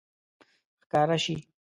ښکاره شي